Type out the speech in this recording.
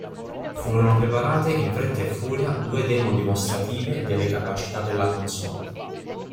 Furono preparate in fretta e furia due demo dimostrative delle capacità della console.